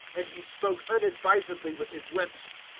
And he spoke unadvisedly with bis lips.